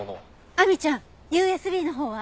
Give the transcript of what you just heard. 亜美ちゃんＵＳＢのほうは？